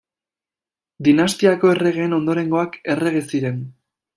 Dinastiako erregeen ondorengoak errege ziren.